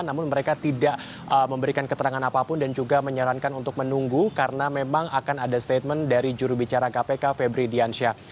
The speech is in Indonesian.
namun mereka tidak memberikan keterangan apapun dan juga menyarankan untuk menunggu karena memang akan ada statement dari jurubicara kpk febri diansyah